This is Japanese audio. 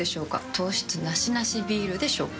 糖質ナシナシビールでしょうか？